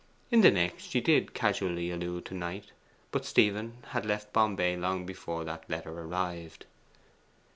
In the next she did casually allude to Knight. But Stephen had left Bombay long before that letter arrived.